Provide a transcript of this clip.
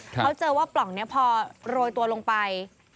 เขาเจอว่าปล่องนี้พอโรยตัวลงไป